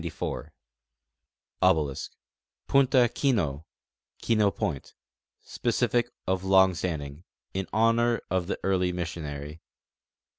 t Punta Kino (Kino point) : Specific (of long standing) in honor of the early missionary.